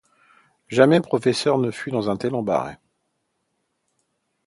Jamais professeur ne fut dans un tel embarras.